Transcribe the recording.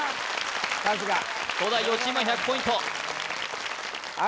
さすが東大王チームは１００ポイントあれ？